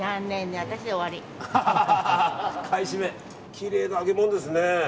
きれいな揚げ物ですね。